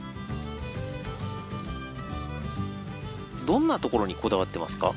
どんなところにこだわってますか？